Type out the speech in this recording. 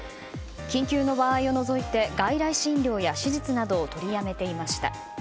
緊急の場合を除いて外来診療や手術などを取りやめていました。